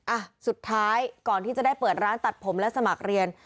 อ่ะสุดท้ายก่อนที่จะได้เปิดร้านตัดผมและสมัครเรียน